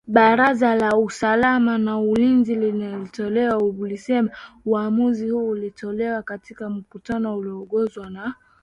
Baraza la usalama na ulinzi linalotawala limesema uamuzi huo ulitolewa katika mkutano ulioongozwa na kiongozi wa kijeshi , Jenerali Abdel Fattah al Burhan